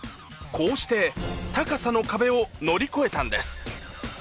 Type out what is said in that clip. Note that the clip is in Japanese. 高さの壁を乗り越えたんです。